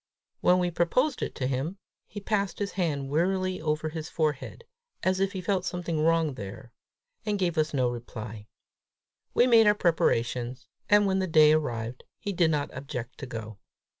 When we proposed it to him, he passed his hand wearily over his forehead, as if he felt something wrong there, and gave us no reply. We made our preparations, and when the day arrived, he did not object to go.